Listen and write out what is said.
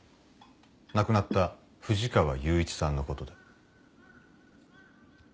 亡くなった藤川雄一さんのことで。